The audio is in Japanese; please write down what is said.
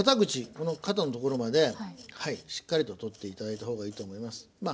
この肩の所までしっかりと取っていただいた方がいいと思います。